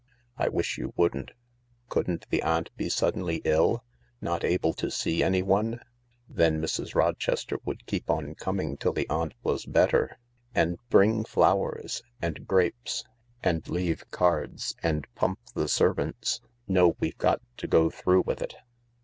" I wish you wouldn't. Couldn't the aunt be suddenly ill ? Not able to see anyone ?"" Then Mrs. Rochester would keep on coming till the aunt was better. And bring flowers. And grapes. And leave cards. And pump the servants. No, we've got to go through with it."